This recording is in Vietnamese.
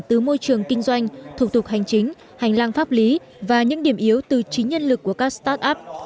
từ môi trường kinh doanh thủ tục hành chính hành lang pháp lý và những điểm yếu từ chính nhân lực của các start up